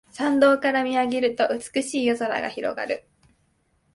山道から見上げると美しい夜空が広がる